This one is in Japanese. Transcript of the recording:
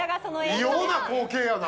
異様な光景やな。